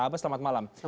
abas selamat malam